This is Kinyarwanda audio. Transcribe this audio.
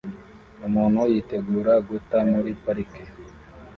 Umuntu yitegura guta muri parike